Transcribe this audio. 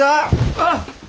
あっ！